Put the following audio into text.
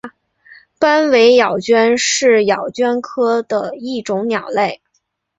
斑尾咬鹃是咬鹃科的一种鸟类。